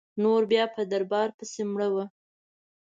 نور بیا په دربار پسي مړه وه.